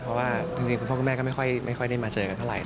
เพราะว่าจริงคุณพ่อคุณแม่ก็ไม่ค่อยได้มาเจอกันเท่าไหร